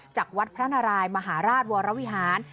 จากวัดพระนารายมหาราชวรวิหาร